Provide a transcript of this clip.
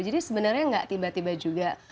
jadi sebenarnya nggak tiba tiba juga